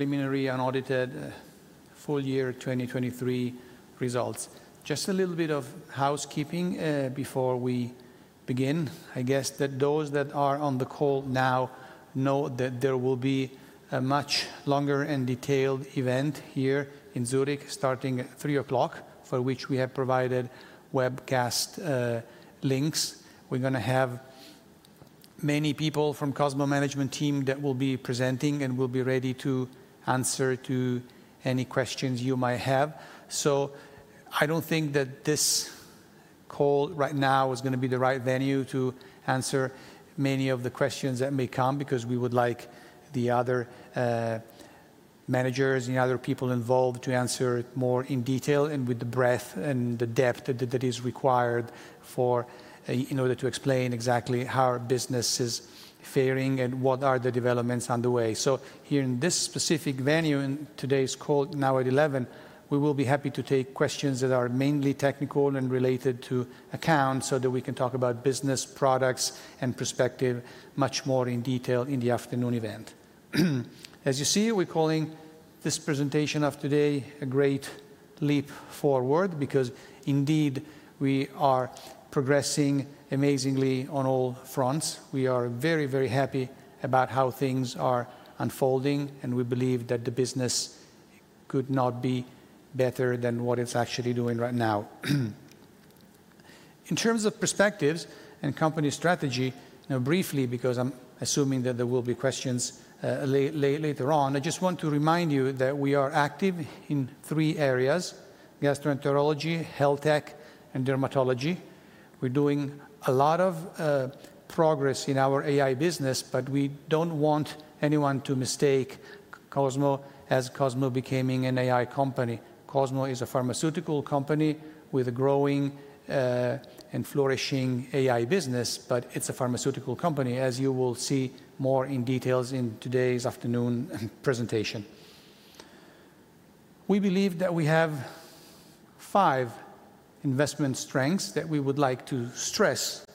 Preliminary unaudited full-year 2023 results. Just a little bit of housekeeping before we begin. I guess that those that are on the call now know that there will be a much longer and detailed event here in Zurich, starting at 3:00 P.M., for which we have provided webcast links. We're gonna have many people from Cosmo management team that will be presenting and will be ready to answer to any questions you might have. So I don't think that this call right now is gonna be the right venue to answer many of the questions that may come, because we would like the other managers and other people involved to answer it more in detail and with the breadth and the depth that is required in order to explain exactly how our business is faring and what are the developments on the way. So here in this specific venue, in today's call, now at 11, we will be happy to take questions that are mainly technical and related to accounts, so that we can talk about business, products, and perspective much more in detail in the afternoon event. As you see, we're calling this presentation of today a great leap forward because indeed we are progressing amazingly on all fronts. We are very, very happy about how things are unfolding, and we believe that the business could not be better than what it's actually doing right now. In terms of perspectives and company strategy, now briefly, because I'm assuming that there will be questions later on, I just want to remind you that we are active in three areas: gastroenterology, health tech, and dermatology. We're doing a lot of progress in our AI business, but we don't want anyone to mistake Cosmo as Cosmo becoming an AI company. Cosmo is a pharmaceutical company with a growing and flourishing AI business, but it's a pharmaceutical company, as you will see more in details in today's afternoon presentation. We believe that we have five investment strengths that we would like to stress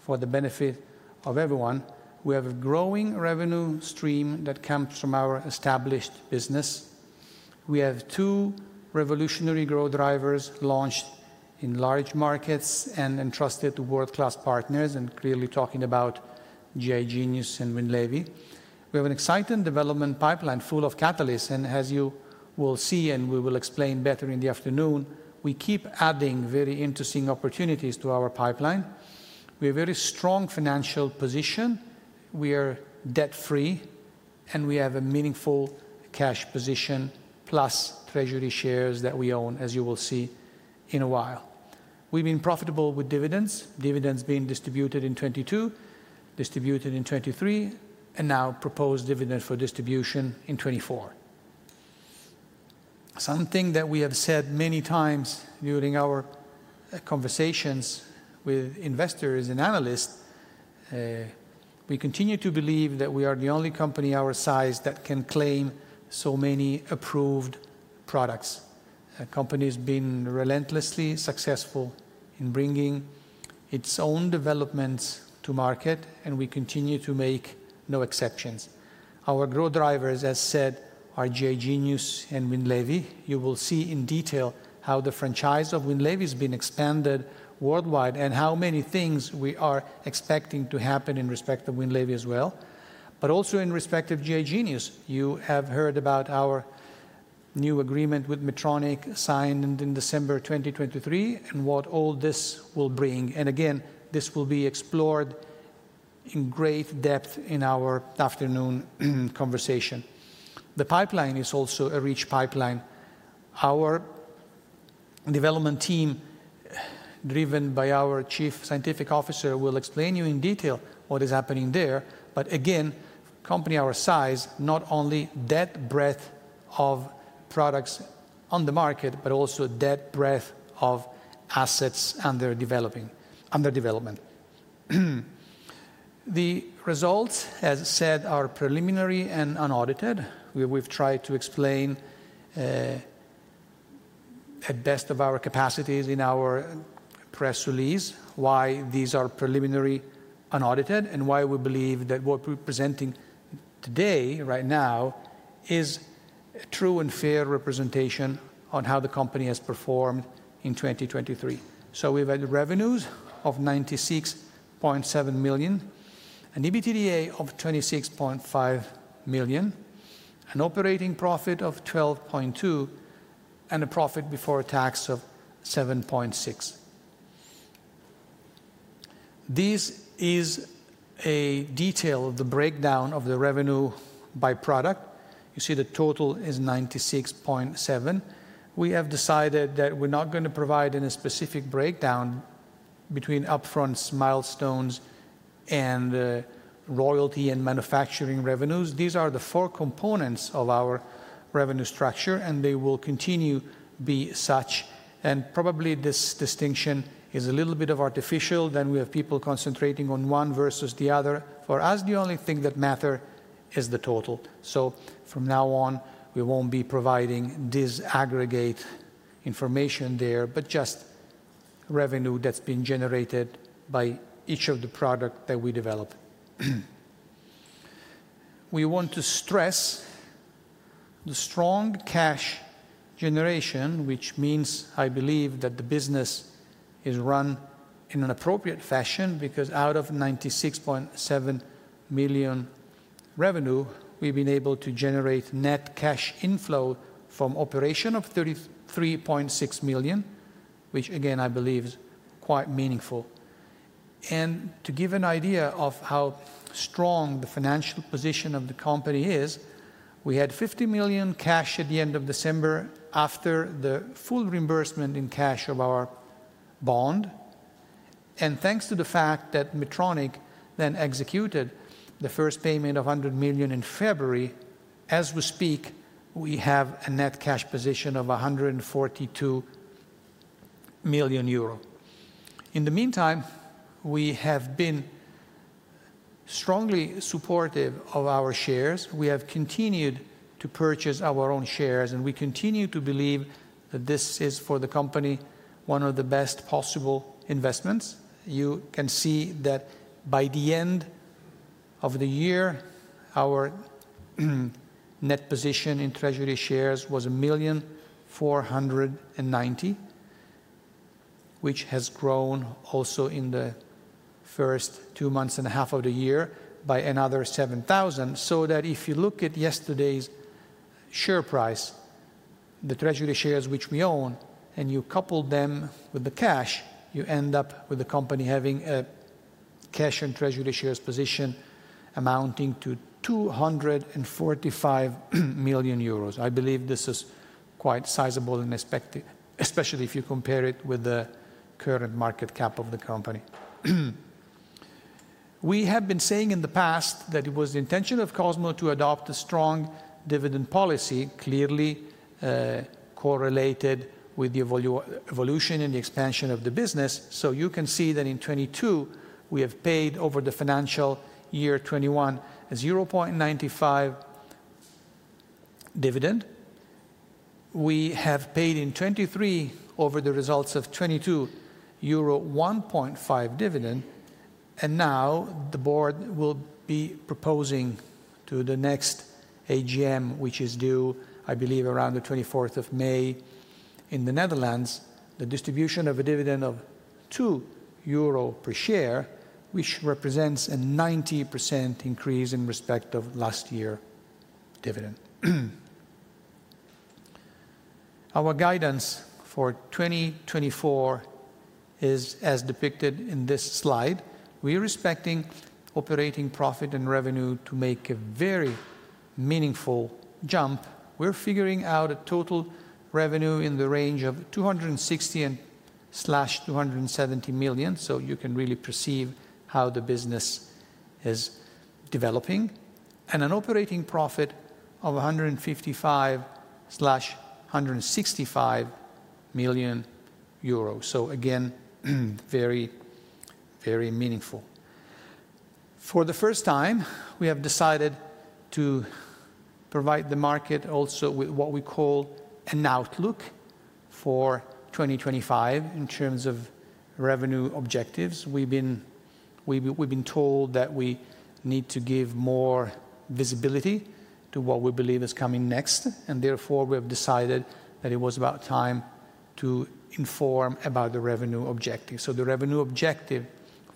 for the benefit of everyone. We have a growing revenue stream that comes from our established business. We have two revolutionary growth drivers launched in large markets and entrusted to world-class partners, and clearly talking about GI Genius and Winlevi. We have an exciting development pipeline full of catalysts, and as you will see, and we will explain better in the afternoon, we keep adding very interesting opportunities to our pipeline. We have very strong financial position. We are debt-free, and we have a meaningful cash position, plus treasury shares that we own, as you will see in a while. We've been profitable with dividends. Dividends being distributed in 2022, distributed in 2023, and now proposed dividend for distribution in 2024. Something that we have said many times during our conversations with investors and analysts, we continue to believe that we are the only company our size that can claim so many approved products. The company's been relentlessly successful in bringing its own developments to market, and we continue to make no exceptions. Our growth drivers, as said, are GI Genius and Winlevi. You will see in detail how the franchise of Winlevi has been expanded worldwide, and how many things we are expecting to happen in respect to Winlevi as well, but also in respect of GI Genius. You have heard about our new agreement with Medtronic, signed in December 2023, and what all this will bring. Again, this will be explored in great depth in our afternoon conversation. The pipeline is also a rich pipeline. Our development team, driven by our Chief Scientific Officer, will explain you in detail what is happening there. But again, company our size, not only that breadth of products on the market, but also that breadth of assets under developing under development. The results, as said, are preliminary and unaudited. We've tried to explain, at best of our capacities in our press release, why these are preliminary, unaudited, and why we believe that what we're presenting today, right now, is a true and fair representation on how the company has performed in 2023. So we've had revenues of 96.7 million, an EBITDA of 26.5 million, an operating profit of 12.2 million, and a profit before tax of 7.6 million. This is a detail of the breakdown of the revenue by product. You see the total is 96.7 million. We have decided that we're not gonna provide any specific breakdown between upfronts, milestones, and royalty and manufacturing revenues. These are the four components of our revenue structure, and they will continue be such, and probably this distinction is a little bit of artificial, then we have people concentrating on one versus the other. For us, the only thing that matter is the total. So from now on, we won't be providing disaggregate information there, but just... revenue that's been generated by each of the product that we develop. We want to stress the strong cash generation, which means, I believe, that the business is run in an appropriate fashion, because out of 96.7 million revenue, we've been able to generate net cash inflow from operation of 33.6 million, which again, I believe, is quite meaningful. And to give an idea of how strong the financial position of the company is, we had 50 million cash at the end of December after the full reimbursement in cash of our bond. And thanks to the fact that Medtronic then executed the first payment of 100 million in February, as we speak, we have a net cash position of 142 million euro. In the meantime, we have been strongly supportive of our shares. We have continued to purchase our own shares, and we continue to believe that this is, for the company, one of the best possible investments. You can see that by the end of the year, our net position in treasury shares was 1,490,000 which has grown also in the first two months and a half of the year by another 7,000. So that if you look at yesterday's share price, the treasury shares which we own, and you couple them with the cash, you end up with the company having a cash and treasury shares position amounting to 245 million euros. I believe this is quite sizable and respectable, especially if you compare it with the current market cap of the company. We have been saying in the past that it was the intention of Cosmo to adopt a strong dividend policy, clearly, correlated with the evolution and the expansion of the business. So you can see that in 2022, we have paid over the financial year 2021, a 0.95 euro dividend. We have paid in 2023 over the results of 2022 1.5 dividend, and now the board will be proposing to the next AGM, which is due, I believe, around the 24th of May. In the Netherlands, the distribution of a dividend of 2 euro per share, which represents a 90% increase in respect of last year dividend. Our guidance for 2024 is as depicted in this slide. We're expecting operating profit and revenue to make a very meaningful jump. We're figuring out a total revenue in the range of 260 million-270 million, so you can really perceive how the business is developing, and an operating profit of 155 million-165 million euros. So again, very, very meaningful. For the first time, we have decided to provide the market also with what we call an outlook for 2025 in terms of revenue objectives. We've been, we've, we've been told that we need to give more visibility to what we believe is coming next, and therefore, we have decided that it was about time to inform about the revenue objective. So the revenue objective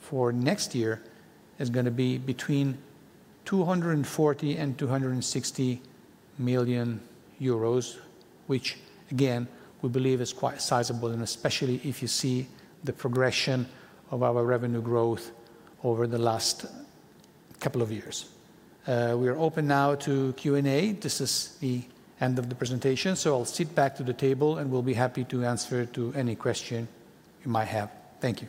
for next year is gonna be between 240 million and 260 million euros, which again, we believe is quite sizable, and especially if you see the progression of our revenue growth over the last couple of years. We are open now to Q&A. This is the end of the presentation, so I'll sit back to the table, and we'll be happy to answer to any question you might have. Thank you.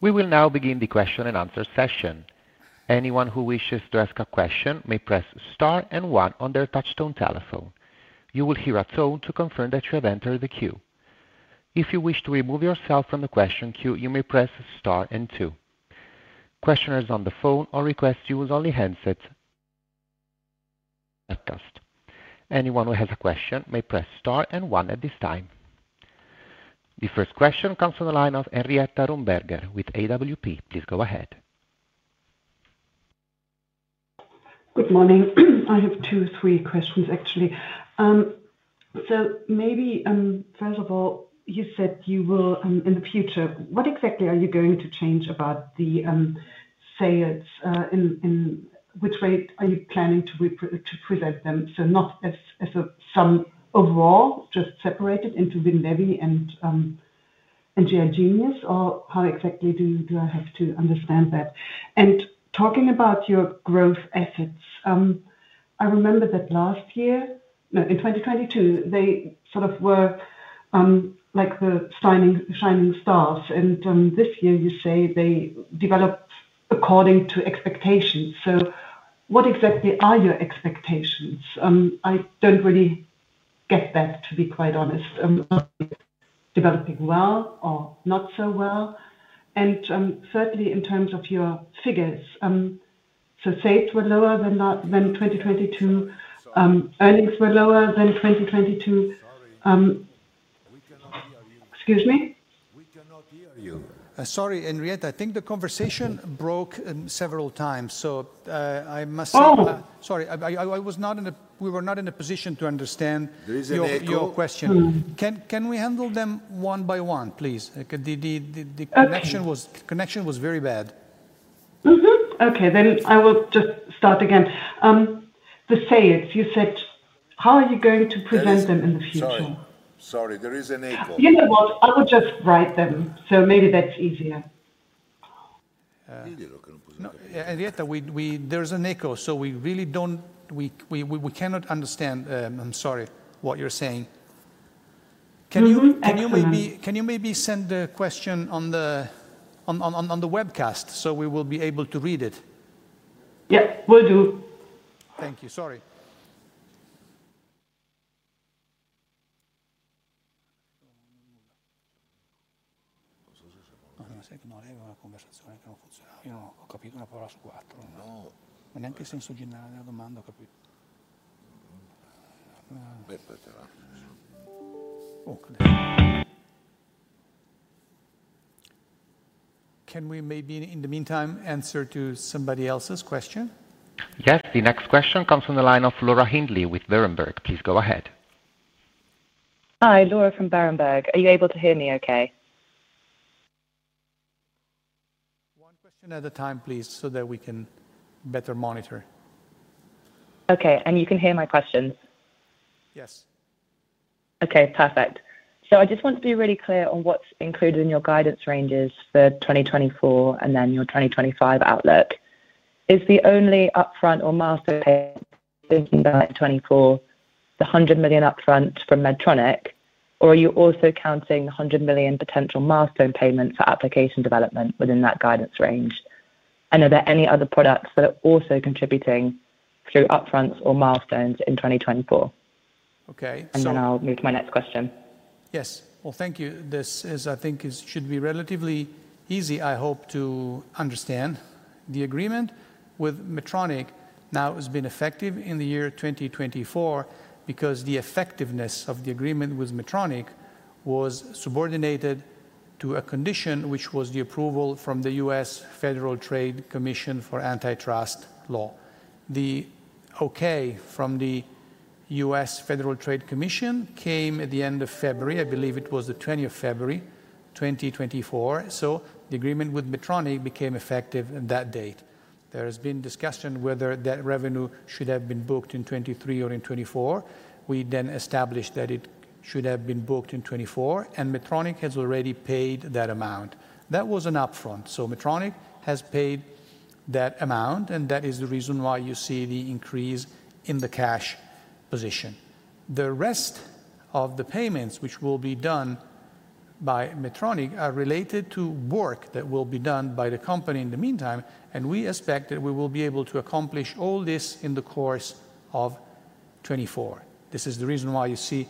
We will now begin the question and answer session. Anyone who wishes to ask a question may press Star and One on their touchtone telephone. You will hear a tone to confirm that you have entered the queue. If you wish to remove yourself from the question queue, you may press Star and Two. Questioners on the phone all requests use only handsets. Anyone who has a question may press Star and One at this time. The first question comes from the line of Henriette Rumberger with AWP. Please go ahead. Good morning. I have two, three questions, actually. So maybe, first of all, you said you will, in the future, what exactly are you going to change about the, sales, in, in which way are you planning to to present them? So not as, as a sum overall, just separated into Winlevi and, and GI Genius or how exactly do, do I have to understand that? And talking about your growth assets, I remember that last year, no, in 2022, they sort of were, like the shining, shining stars, and, this year you say they developed according to expectations. So what exactly are your expectations? I don't really get that, to be quite honest, developing well or not so well. And, certainly in terms of your figures,... Sales were lower than 2022. Earnings were lower than 2022. Sorry, we cannot hear you. Excuse me? We cannot hear you. Sorry, Henriette, I think the conversation broke several times, so, I must say- Oh! Sorry, we were not in a position to understand- There is an echo. Your question. Can we handle them one by one, please? The connection was- Okay. Connection was very bad. Mm-hmm. Okay, then I will just start again. The sales, you said, how are you going to prevent them in the future? Sorry. Sorry, there is an echo. You know what? I will just write them, so maybe that's easier. Yeah, Henriette. There's an echo, so we really don't... we cannot understand, I'm sorry, what you're saying. Mm-hmm. Can you maybe send the question on the webcast, so we will be able to read it? Yeah, will do. Thank you. Sorry. Can we maybe, in the meantime, answer to somebody else's question? Yes, the next question comes from the line of Laura Hindley with Berenberg. Please go ahead. Hi, Laura from Berenberg. Are you able to hear me okay? One question at a time, please, so that we can better monitor. Okay. And you can hear my questions? Yes. Okay, perfect. So I just want to be really clear on what's included in your guidance ranges for 2024, and then your 2025 outlook. Is the only upfront or milestone payment in 2024 the 100 million upfront from Medtronic, or are you also counting the 100 million potential milestone payment for application development within that guidance range? And are there any other products that are also contributing through upfront or milestones in 2024? Okay, so- And then I'll move to my next question. Yes. Well, thank you. This, I think, should be relatively easy, I hope, to understand. The agreement with Medtronic now has been effective in the year 2024 because the effectiveness of the agreement with Medtronic was subordinated to a condition, which was the approval from the U.S. Federal Trade Commission for antitrust law. The okay from the U.S. Federal Trade Commission came at the end of February, I believe it was the 20th of February, 2024, so the agreement with Medtronic became effective on that date. There has been discussion whether that revenue should have been booked in 2023 or in 2024. We then established that it should have been booked in 2024, and Medtronic has already paid that amount. That was an upfront, so Medtronic has paid that amount, and that is the reason why you see the increase in the cash position. The rest of the payments, which will be done by Medtronic, are related to work that will be done by the company in the meantime, and we expect that we will be able to accomplish all this in the course of 2024. This is the reason why you see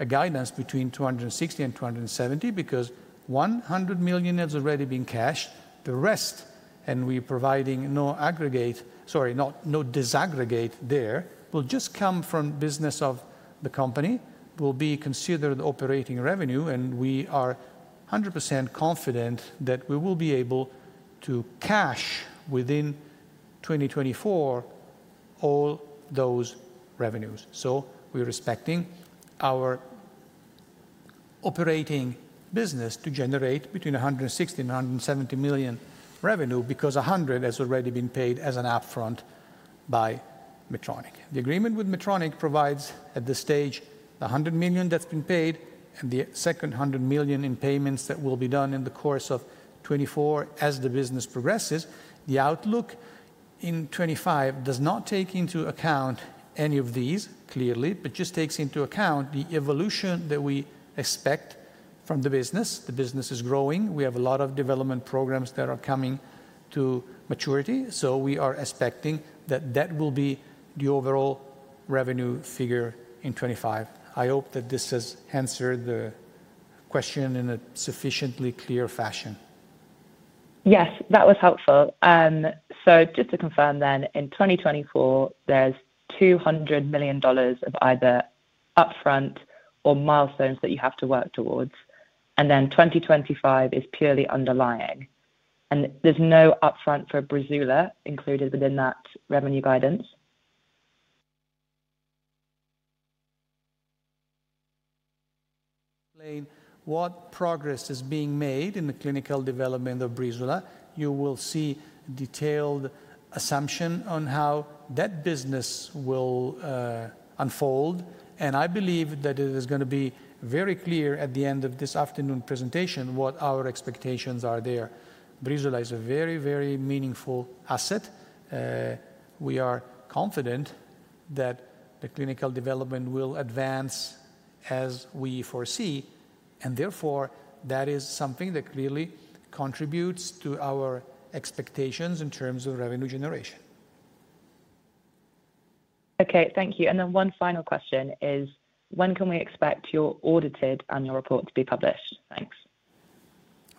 a guidance between 260 million and 270 million, because 100 million has already been cashed. The rest, and we're providing no aggregate, sorry, not no disaggregate there, will just come from business of the company, will be considered operating revenue, and we are 100% confident that we will be able to cash within 2024 all those revenues. So we're expecting our operating business to generate between 160 million and 170 million revenue because 100 million has already been paid as an upfront by Medtronic. The agreement with Medtronic provides, at this stage, 100 million that's been paid, and the second 100 million in payments that will be done in the course of 2024 as the business progresses. The outlook in 2025 does not take into account any of these, clearly, but just takes into account the evolution that we expect from the business. The business is growing. We have a lot of development programs that are coming to maturity, so we are expecting that that will be the overall revenue figure in 2025. I hope that this has answered the question in a sufficiently clear fashion. Yes, that was helpful. So just to confirm then, in 2024, there's $200 million of either upfront or milestones that you have to work towards, and then 2025 is purely underlying, and there's no upfront for Breezula included within that revenue guidance? ... What progress is being made in the clinical development of Breezula? You will see detailed assumption on how that business will unfold, and I believe that it is gonna be very clear at the end of this afternoon presentation, what our expectations are there. Breezula is a very, very meaningful asset. We are confident that the clinical development will advance as we foresee, and therefore, that is something that clearly contributes to our expectations in terms of revenue generation.... Okay, thank you. And then one final question is: when can we expect your audited annual report to be published? Thanks.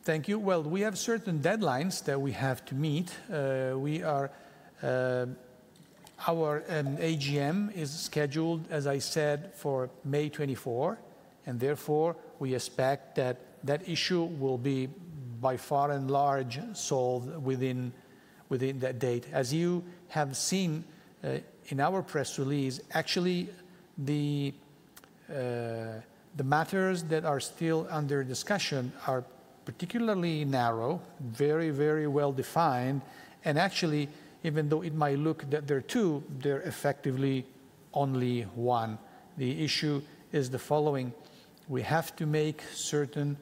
Thank you. Well, we have certain deadlines that we have to meet. We are, our AGM is scheduled, as I said, for May 24, 2024, and therefore, we expect that that issue will be by far and large solved within that date. As you have seen, in our press release, actually, the matters that are still under discussion are particularly narrow, very, very well defined, and actually, even though it might look that they're two, they're effectively only one. The issue is the following: we have to make certain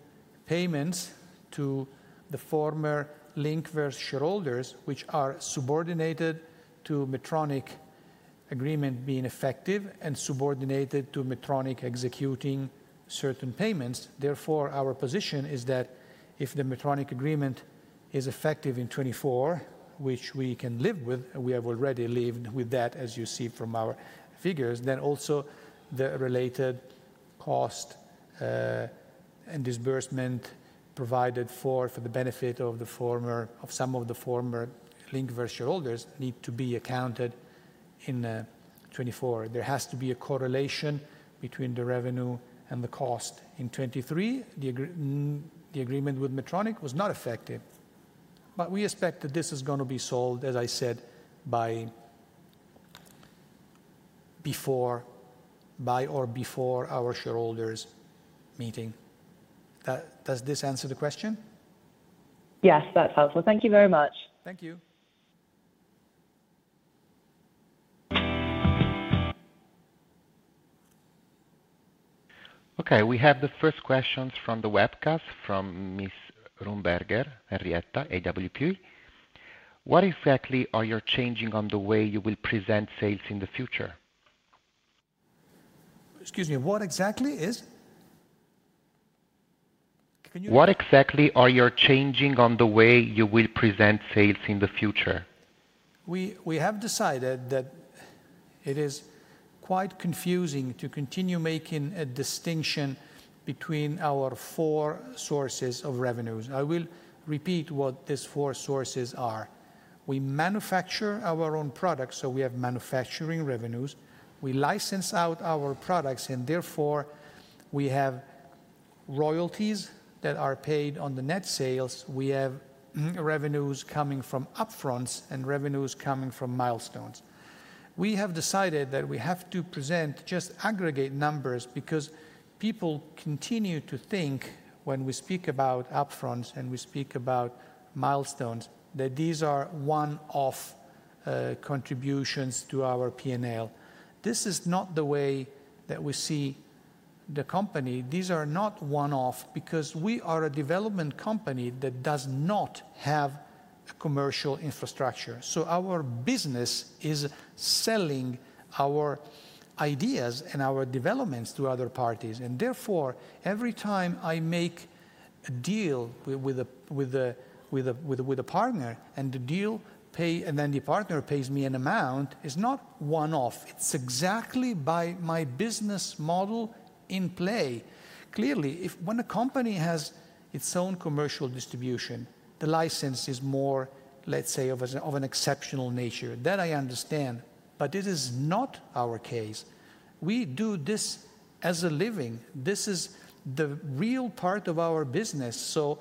payments to the former Linkverse shareholders, which are subordinated to Medtronic agreement being effective and subordinated to Medtronic executing certain payments. Therefore, our position is that if the Medtronic agreement is effective in 2024, which we can live with, we have already lived with that, as you see from our figures, then also the related cost and disbursement provided for the benefit of the former of some of the former Linkverse shareholders need to be accounted in 2024. There has to be a correlation between the revenue and the cost. In 2023, the agreement with Medtronic was not effective, but we expect that this is gonna be solved, as I said, by before, by or before our shareholders meeting. Does this answer the question? Yes, that's helpful. Thank you very much. Thank you. Okay, we have the first questions from the webcast, from Ms. Rumberger, Henriette, AWP. What exactly are you changing on the way you will present sales in the future? Excuse me, what exactly is? Can you- What exactly are you changing on the way you will present sales in the future? We have decided that it is quite confusing to continue making a distinction between our four sources of revenues. I will repeat what these four sources are. We manufacture our own products, so we have manufacturing revenues. We license out our products, and therefore, we have royalties that are paid on the net sales. We have revenues coming from upfronts and revenues coming from milestones. We have decided that we have to present just aggregate numbers because people continue to think, when we speak about upfronts and we speak about milestones, that these are one-off contributions to our P&L. This is not the way that we see the company. These are not one-off because we are a development company that does not have a commercial infrastructure. So our business is selling our ideas and our developments to other parties, and therefore, every time I make a deal with a partner, and the deal, and then the partner pays me an amount, it's not one-off. It's exactly by my business model in play. Clearly, if when a company has its own commercial distribution, the license is more, let's say, of a sort of an exceptional nature. That I understand, but this is not our case. We do this as a living. This is the real part of our business. So,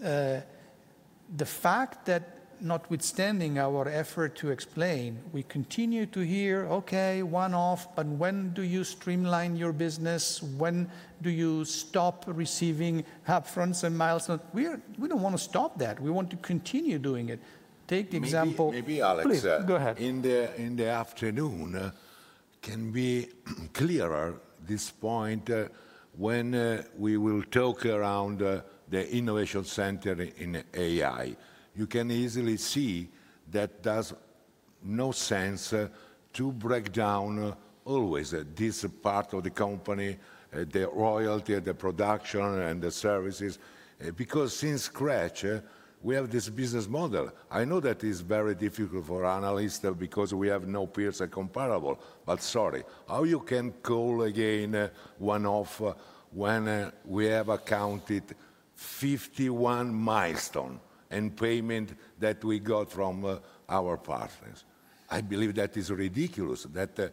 the fact that notwithstanding our effort to explain, we continue to hear, "Okay, one-off, but when do you streamline your business? When do you stop receiving up fronts and milestones?" We don't want to stop that. We want to continue doing it. Take the example- Maybe, Alex- Please, go ahead. In the afternoon, can be clearer this point, when we will talk around the Innovation Center in AI. You can easily see that does no sense to break down always this part of the company, the royalty, the production, and the services, because since scratch, we have this business model. I know that it's very difficult for analysts because we have no peers are comparable. But sorry, how you can call again a one-off, when we have accounted 51 milestone and payment that we got from our partners? I believe that is ridiculous, that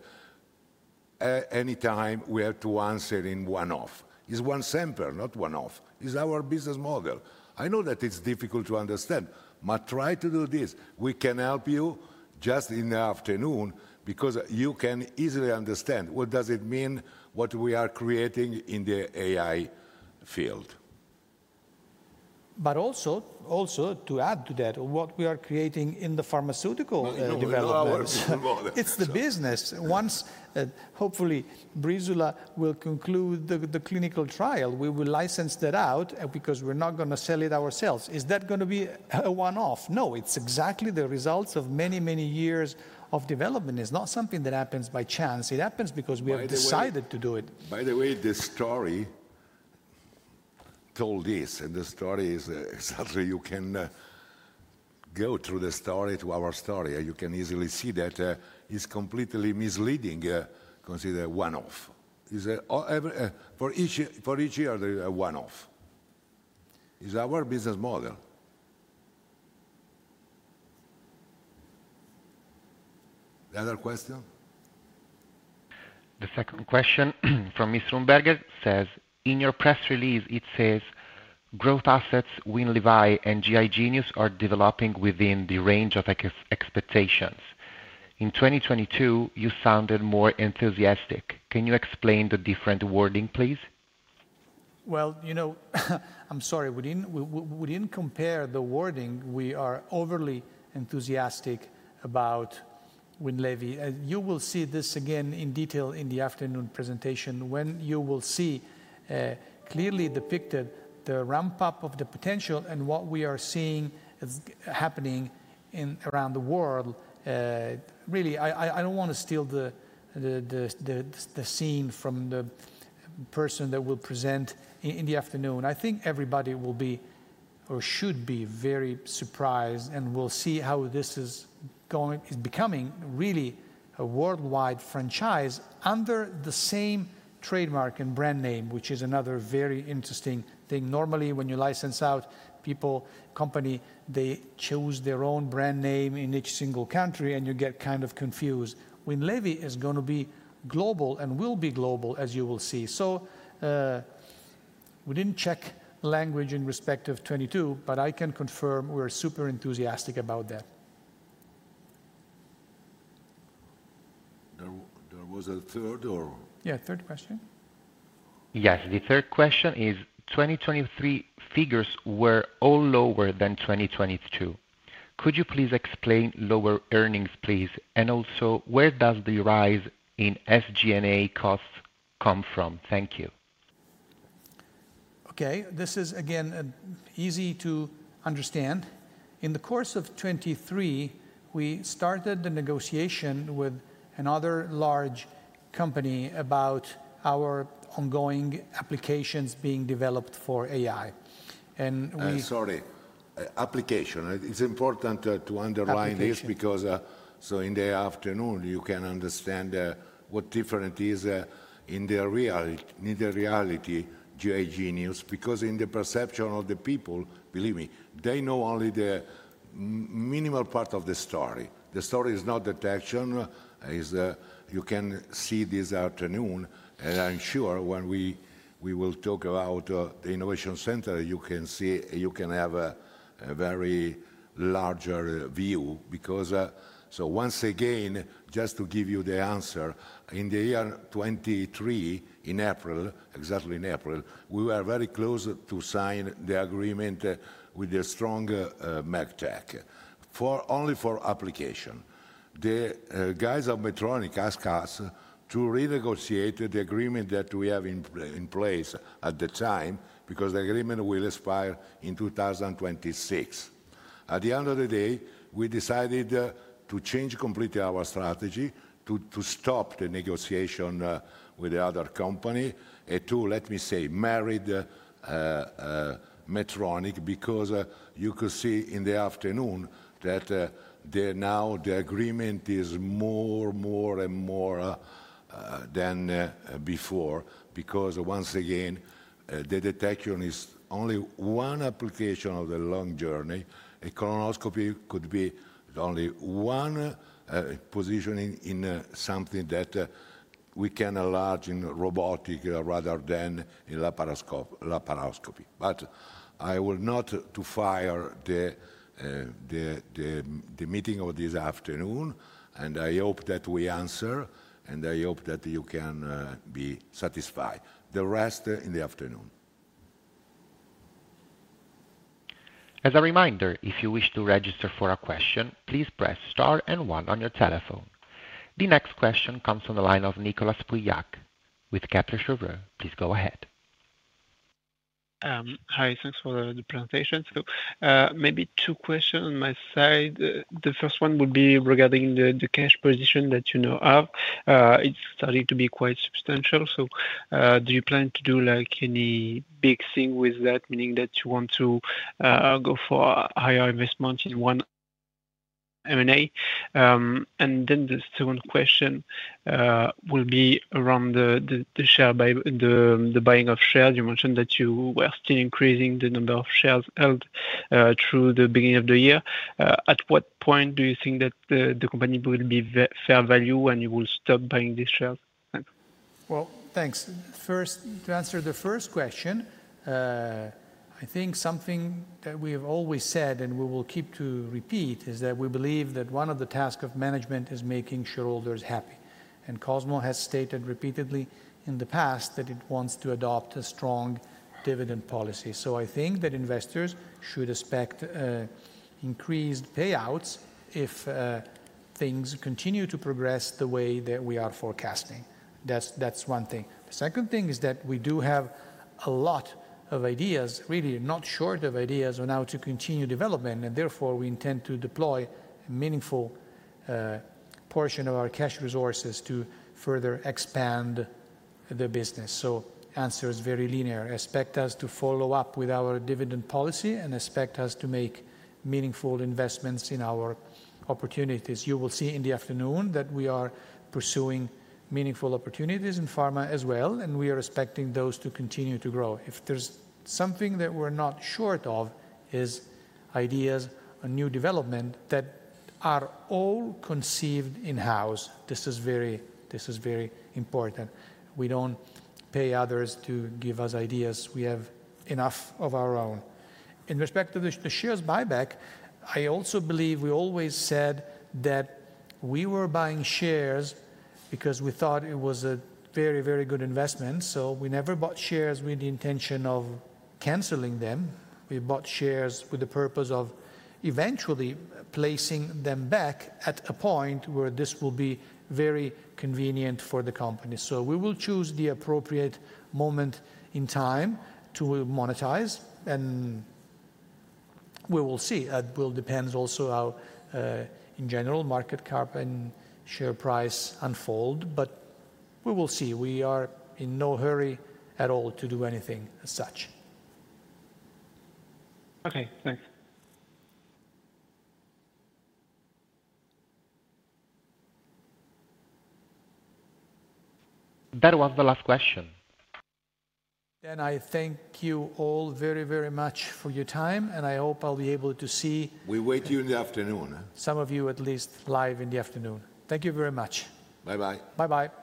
anytime we have to answer in one-off. It's one sample, not one-off. It's our business model. I know that it's difficult to understand, but try to do this. We can help you just in the afternoon because you can easily understand what does it mean, what we are creating in the AI field. But also, to add to that, what we are creating in the pharmaceutical developments. No, our involvement. It's the business. Once, hopefully, Breezula will conclude the clinical trial, we will license that out, because we're not gonna sell it ourselves. Is that gonna be a one-off? No, it's exactly the results of many, many years of development. It's not something that happens by chance. It happens because we have decided to do it. By the way, this story told this, and the story is exactly you can go through the story to our story, and you can easily see that it's completely misleading, considered one-off. It's every for each year, for each year there is a one-off. It's our business model. The other question? The second question from Henriette Rumberger says: In your press release, it says, "Growth assets Winlevi and GI Genius are developing within the range of expectations. In 2022, you sounded more enthusiastic. Can you explain the different wording, please? Well, you know, I'm sorry, we didn't compare the wording. We are overly enthusiastic about Winlevi. You will see this again in detail in the afternoon presentation, when you will see clearly depicted the ramp-up of the potential and what we are seeing is happening around the world. Really, I don't wanna steal the scene from the person that will present in the afternoon. I think everybody will be or should be very surprised, and we'll see how this is going is becoming really a worldwide franchise under the same trademark and brand name, which is another very interesting thing. Normally, when you license out, people, company, they choose their own brand name in each single country, and you get kind of confused. Winlevi is gonna be global and will be global, as you will see. So, we didn't check language in respect of 2022, but I can confirm we're super enthusiastic about that. There was a third or? Yeah, third question. Yes, the third question is: 2023 figures were all lower than 2022. Could you please explain lower earnings, please? And also, where does the rise in SG&A costs come from? Thank you. Okay, this is again easy to understand. In the course of 2023, we started the negotiation with another large company about our ongoing applications being developed for AI, and we- Sorry, application. It's important to underline this- Application... because, so in the afternoon, you can understand, what different it is, in the reality, in the reality, GI Genius, because in the perception of the people, believe me, they know only the minimal part of the story. The story is not detection, is, you can see this afternoon, and I'm sure when we will talk about the innovation center, you can see... you can have a very larger view. Because, so once again, just to give you the answer, in the year 2023, in April, exactly in April, we were very close to sign the agreement with the strong Medtronic, for only for application. The guys of Medtronic asked us to renegotiate the agreement that we have in place at the time, because the agreement will expire in 2026. At the end of the day, we decided to change completely our strategy, to stop the negotiation with the other company, and to, let me say, marry the Medtronic because you could see in the afternoon that now the agreement is more, more, and more than before. Because, once again, the detection is only one application of the long journey. A colonoscopy could be only one positioning in something that we can enlarge in robotic rather than in laparoscopy. But I would not to fire the meeting of this afternoon, and I hope that we answer, and I hope that you can be satisfied. The rest in the afternoon. As a reminder, if you wish to register for a question, please press star and one on your telephone. The next question comes from the line of Nicolas Pauillac with Kepler Cheuvreux. Please go ahead. Hi, thanks for the presentation. So, maybe two questions on my side. The first one would be regarding the cash position that you now have. It's starting to be quite substantial, so do you plan to do, like, any big thing with that, meaning that you want to go for higher investment in one M&A? And then the second question will be around the buying of shares. You mentioned that you were still increasing the number of shares held through the beginning of the year. At what point do you think that the company will be fair value, and you will stop buying these shares? Thanks. Well, thanks. First, to answer the first question, I think something that we have always said, and we will keep to repeat, is that we believe that one of the task of management is making shareholders happy. And Cosmo has stated repeatedly in the past that it wants to adopt a strong dividend policy. So I think that investors should expect increased payouts if things continue to progress the way that we are forecasting. That's, that's one thing. The second thing is that we do have a lot of ideas, really not short of ideas on how to continue development, and therefore, we intend to deploy a meaningful portion of our cash resources to further expand the business. So answer is very linear. Expect us to follow up with our dividend policy, and expect us to make meaningful investments in our opportunities. You will see in the afternoon that we are pursuing meaningful opportunities in pharma as well, and we are expecting those to continue to grow. If there's something that we're not short of, is ideas and new development that are all conceived in-house. This is very, this is very important. We don't pay others to give us ideas. We have enough of our own. In respect to the shares buyback, I also believe we always said that we were buying shares because we thought it was a very, very good investment, so we never bought shares with the intention of canceling them. We bought shares with the purpose of eventually placing them back at a point where this will be very convenient for the company. So we will choose the appropriate moment in time to monetize, and we will see. That will depends also how, in general, market cap and share price unfold, but we will see. We are in no hurry at all to do anything as such. Okay, thanks. That was the last question. Then I thank you all very, very much for your time, and I hope I'll be able to see- We await you in the afternoon, huh? Some of you at least live in the afternoon. Thank you very much. Bye-bye. Bye-bye.